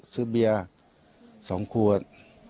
ซื้อเบียร์๒ขวด